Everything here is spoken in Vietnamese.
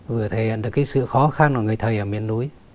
vừa thể hiện được cái sự khó khăn của người thầy ở miền núi